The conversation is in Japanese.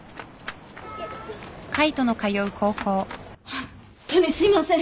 ホンットにすいません！